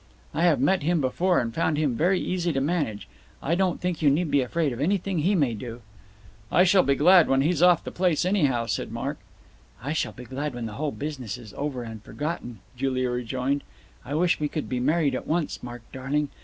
I have met him before, and found him very easy to manage. I don't think you need be afraid of anything he may do." "I shall be glad when he's off the place, anyhow," said Mark. "I shall be glad when the whole business is over and forgotten," Julia rejoined. "I wish we could be married at once, Mark darling.